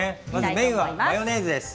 メインはマヨネーズです